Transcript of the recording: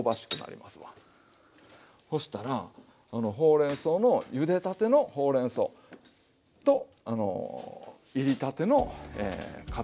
そしたらほうれんそうのゆでたてのほうれんそうといりたてのかつお節のせただけです。